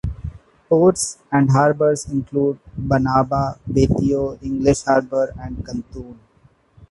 Ports and harbours include Banaba, Betio, English Harbor, and Kanton.